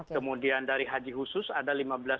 kemudian dari haji khusus ada lima belas empat ratus